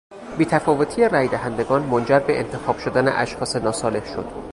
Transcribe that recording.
بیتفاوتی رای دهندگانمنجر به انتخاب شدن اشخاص ناصالح شد.